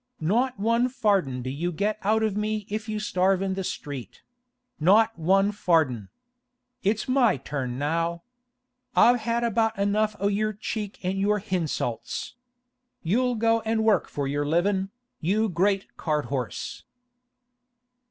Not one farden do you get out of me if you starve in the street—not one farden! It's my turn now. I've had about enough o' your cheek an' your hinsults. You'll go and work for your livin', you great cart horse!